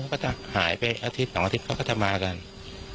เขาก็จะหายไปอาทิตย์๒อาทิตย์เขาก็จะมากันมายังไงครับ